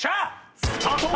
［スタート！］